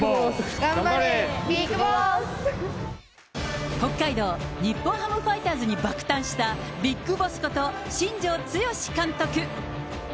頑張れ、北海道日本ハムファイターズに爆誕した、ビッグボスこと新庄剛志監督。